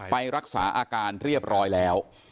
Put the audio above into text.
ไปรักษาอาการเรียบร้อยแล้ว